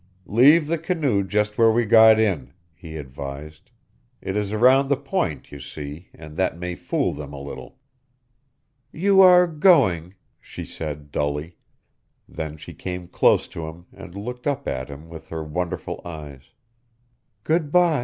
"Leave the canoe just where we got in," he advised; "it is around the point, you see, and that may fool them a little." "You are going," she said, dully. Then she came close to him and looked up at him with her wonderful eyes. "Good by."